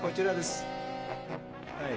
はい。